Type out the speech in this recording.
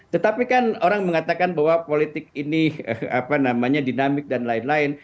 tetapi kan orang mengatakan bahwa politik ini dinamik dan lain lain